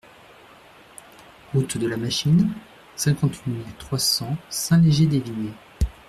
Route de la Machine, cinquante-huit mille trois cents Saint-Léger-des-Vignes